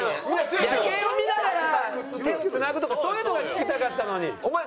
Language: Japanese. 夜景を見ながら手を繋ぐとかそういうのが聞きたかったのに。